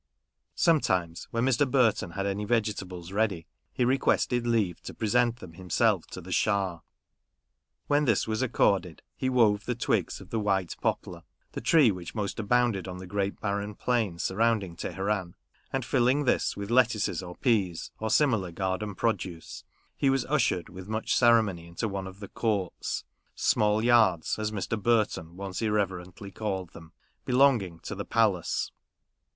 Sometimes, when Mr. Burton had any vegetables ready, he requested leave to present them himself to the Schah ; when this was accorded, he wove the twigs of the white poplar (the tree which most abounded on the great barren plain sur rounding Teheran), and filling this with lettuces, or peas, or similar garden produce, he was ushered with much ceremony into one of the courts (" small yards," as Mr. Burton once irreverently called them) belonging to the palace.